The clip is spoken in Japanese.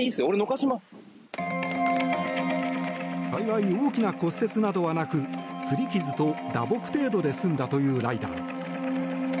幸い大きな骨折などはなくすり傷と打撲程度で済んだというライダー。